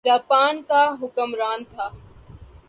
Japan کا حکمران تھا۔